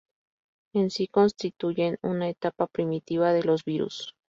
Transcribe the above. En sí constituyen una etapa primitiva de los virus.